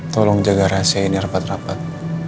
tolong jaga rahasia ini rapat rapat